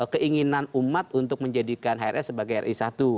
keinginan umat untuk menjadikan hrs sebagai ri satu